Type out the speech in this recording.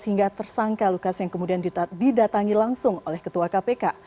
hingga tersangka lukas yang kemudian didatangi langsung oleh ketua kpk